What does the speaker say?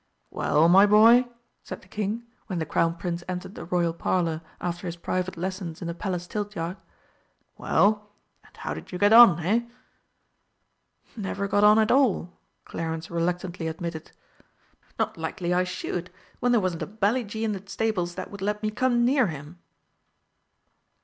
"Well, my boy," said the King, when the Crown Prince entered the Royal Parlour after his private lessons in the Palace tiltyard. "Well, and how did you get on, hey?" "Never got on at all," Clarence reluctantly admitted. "Not likely I should, when there wasn't a bally gee in the stables that would let me come near him!"